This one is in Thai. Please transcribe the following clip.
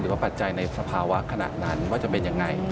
หรือว่าปัจจัยในสภาวะขนาดนั้นว่าจะเป็นอย่างไร